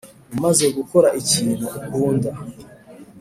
umaze gukora ikintu ukunda,